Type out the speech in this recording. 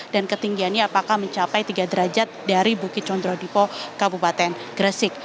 dan ketinggiannya apakah mencapai tiga derajat dari bukit contro dipo kabupaten gresik